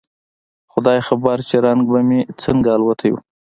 خداى خبر چې رنگ به مې څنګه الوتى و.